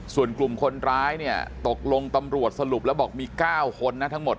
ส่วนกลุ่มคนร้ายเนี่ยตกลงตำรวจสรุปแล้วบอกมี๙คนนะทั้งหมด